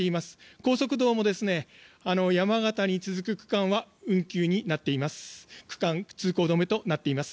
高速道路も山形に続く区間は通行止めとなっています。